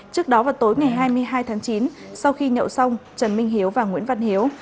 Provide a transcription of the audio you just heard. trước đó vào tối ngày hai mươi hai tháng chín sau khi nhậu xong trần minh hiếu và nguyễn văn hiếu